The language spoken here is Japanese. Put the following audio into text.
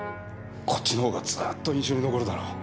こっちのほうがずーっと印象に残るだろう。